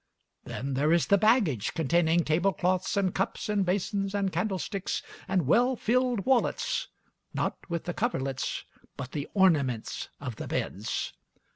Then there is the baggage, containing table cloths, and cups and basins, and candlesticks, and well filled wallets not with the coverlets, but the ornaments of the beds.